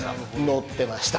載ってました！